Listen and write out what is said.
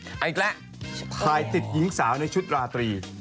อีกแล้วถ่ายติดหญิงสาวในชุดราตรี